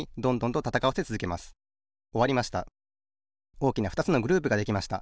おおきなふたつのグループができました。